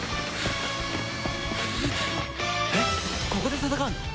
えっここで戦うの？